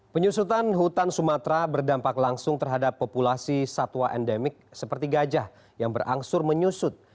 penyusutan hutan sumatera berdampak langsung terhadap populasi satwa endemik seperti gajah yang berangsur menyusut